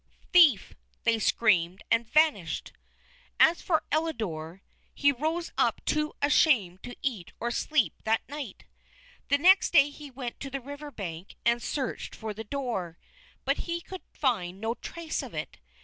"Thief!" they screamed, and vanished. As for Elidore, he rose up too ashamed to eat or sleep that night. The next day he went to the river bank and searched for the door, but could find no trace of it.